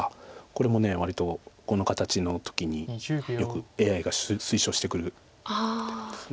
これも割とこの形の時によくＡＩが推奨してくる手なんです。